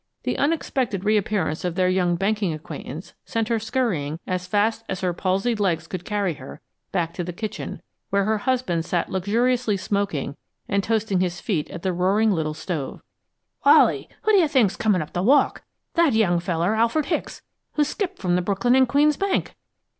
The unexpected reappearance of their young banking acquaintance sent her scurrying as fast as her palsied legs could carry her back to the kitchen, where her husband sat luxuriously smoking and toasting his feet at the roaring little stove. "Wally, who d'you think's comin' up the walk? That young feller, Alfred Hicks, who skipped from the Brooklyn and Queens Bank!"